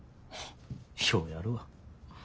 ようやるわ。